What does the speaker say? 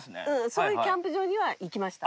そういうキャンプ場には行きました。